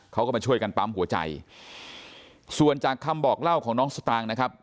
เขาก็มาช่วยกันปั๊มหัวใจส่วนจากคำบอกเล่าของน้องสตางค์นะครับ